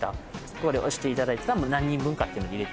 これ押していただいて何人分かっていうのを入れて。